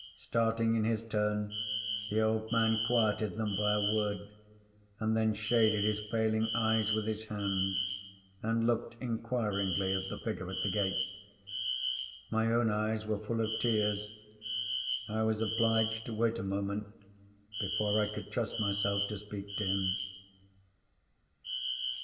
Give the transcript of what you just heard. Starting in his turn, the old man quieted them by a word, and then shaded his failing eyes with his hand, and looked inquiringly at the figure at the gate. My own eyes were full of tears. I was obliged to wait a moment before I could trust myself to speak to him.